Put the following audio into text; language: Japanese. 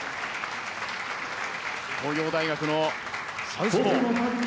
東洋大学のサウスポー。